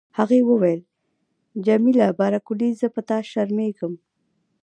هغې وویل: جميله بارکلي، زه په تا شرمیږم.